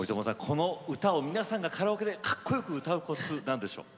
この歌を皆さんがカラオケでかっこよく歌うコツ何でしょう？